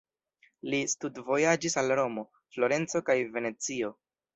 Li studvojaĝis al Romo, Florenco kaj Venecio.